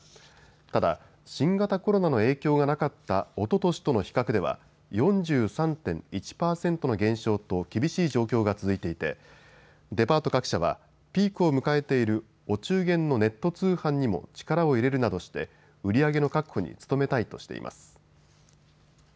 ただ、新型コロナの影響がなかったおととしとの比較では４３．１％の減少と厳しい状況が続いていてデパート各社はピークを迎えているお中元のネット通販にも力を入れるなどして売り上げの確保に努めたいとしています。